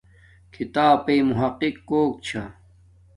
کھیتاپݵ محقق کوک چھا